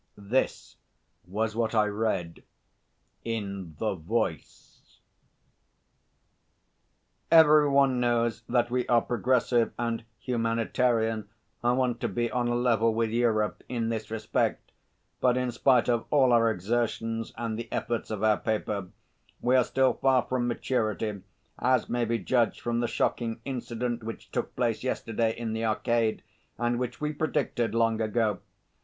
This was what I read in the Voice. "Every one knows that we are progressive and humanitarian and want to be on a level with Europe in this respect. But in spite of all our exertions and the efforts of our paper we are still far from maturity, as may be judged from the shocking incident which took place yesterday in the Arcade and which we predicted long ago.